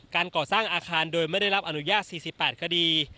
การก่อสร้างอาคารโดยไม่ได้รับอนุญาต๔๘คดี